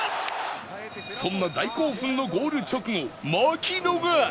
そんな大興奮のゴール直後槙野が